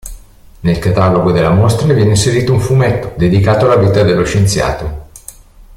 Nel catalogo della mostra viene inserito un fumetto dedicato alla vita dello scienziato.